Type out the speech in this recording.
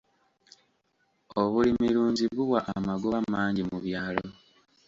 Obulimirunzi buwa amagoba mangi mu byalo.